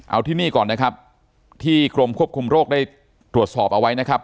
เอาที่นี่ก่อนนะครับที่กรมควบคุมโรคได้ตรวจสอบเอาไว้นะครับ